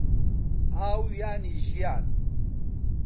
ئاو یانی ژیان